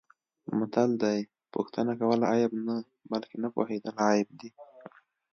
متل دی: پوښتنه کول عیب نه، بلکه نه پوهېدل عیب دی.